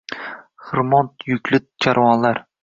Xirmon yukli karvonlar.